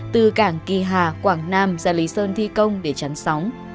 từ cảng kỳ hà quảng nam ra lý sơn thi công để chắn sóng